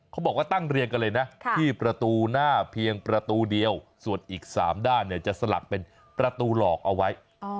เขาบอกว่าตั้งเรียงกันเลยนะที่ประตูหน้าเพียงประตูเดียวส่วนอีก๓ด้านจะสลักเป็นประตูหลอกเอาไว้